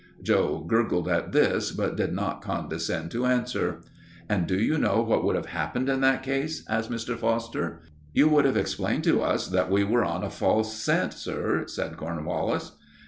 Joe gurgled at this, but did not condescend to answer. "And do you know what would have happened in that case?" asked Mr. Foster. "You would have explained to us that we were on a false scent, sir," said Cornwallis.